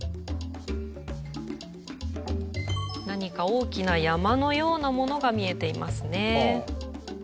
何か大きな山のようなものが見えていますね。